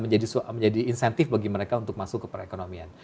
jadi itu juga menjadi insentif bagi mereka untuk masuk ke perekonomian